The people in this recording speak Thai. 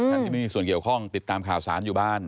ท่านที่ไม่มีส่วนเกี่ยวข้องติดตามข่าวสารอยู่บ้าน